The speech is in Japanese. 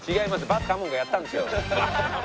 バスカモンがやったんですよ。